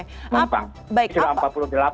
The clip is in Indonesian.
penumpang sudah empat puluh delapan